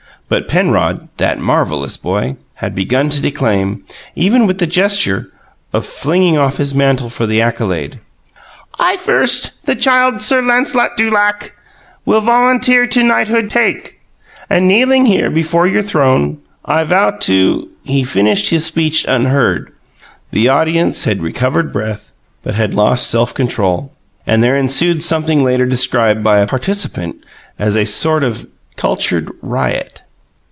But Penrod, that marvellous boy, had begun to declaim, even with the gesture of flinging off his mantle for the accolade: "I first, the Child Sir Lancelot du Lake, Will volunteer to knighthood take, And kneeling here before your throne I vow to " He finished his speech unheard. The audience had recovered breath, but had lost self control, and there ensued something later described by a participant as a sort of cultured riot.